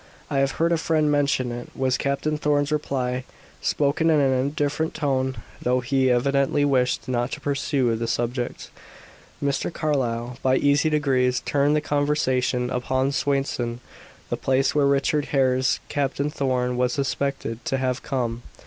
"I have heard a friend mention it," was Captain Thorn's reply, spoken in an indifferent tone, though he evidently wished not to pursue the subject. Mr. Carlyle, by easy degrees, turned the conversation upon Swainson, the place where Richard Hare's Captain Thorn was suspected to have come.